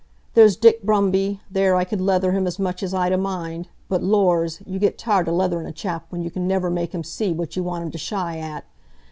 There's Dick Brumby, there, I could leather him as much as I'd a mind; but lors! you get tired o' leatherin' a chap when you can niver make him see what you want him to shy at.